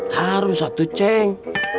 harus atu ceng